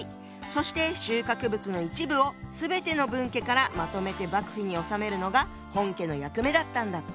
そして収穫物の一部を全ての分家からまとめて幕府に納めるのが本家の役目だったんだって。